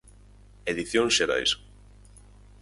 Edicións Xerais.